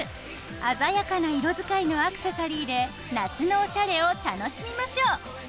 鮮やかな色づかいのアクセサリーで夏のおしゃれを楽しみましょう。